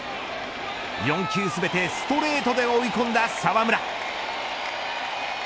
４球全てストレートで追い込んだ澤村。